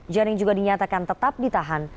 jaring juga dinyatakan tetap ditahan